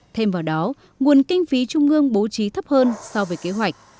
thêm vào đó nguồn kinh phí trung ương bố trí thấp hơn so với kế hoạch